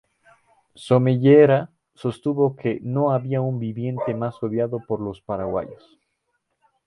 Somellera sostuvo que "no había un viviente más odiado por los paraguayos".